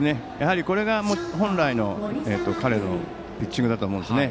これが本来の彼のピッチングだと思いますね。